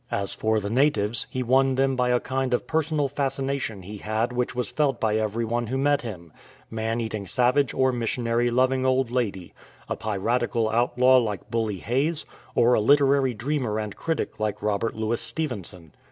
As for the natives, he won them by a kind of personal fascination he had which was felt by every one who met him — man eating savage or missionary loving old lady, a piratical outlaw like " Bully Hayes,*" or a literary dreamer and critic like Robert Louis Stevenson.